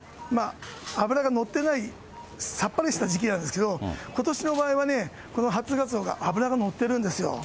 今の時期って初ガツオっていって、非常に脂が乗ってない、さっぱりした時期なんですけど、ことしの場合はね、この初ガツオが脂が乗ってるんですよ。